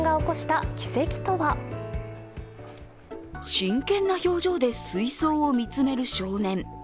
真剣な表情で水槽を見つめる少年。